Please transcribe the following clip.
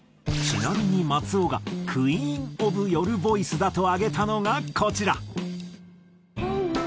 ちなみに松尾がクイーン・オブ・夜ボイスだと挙げたのがこちら。